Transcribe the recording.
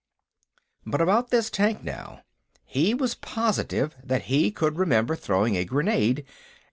But about this tank, now. He was positive that he could remember throwing a grenade....